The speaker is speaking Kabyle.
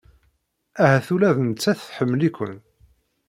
Ahat ula d nettat tḥemmel-iken.